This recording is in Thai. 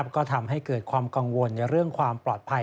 ก็ทำให้เกิดความกังวลในเรื่องความปลอดภัย